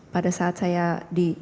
pada saat saya di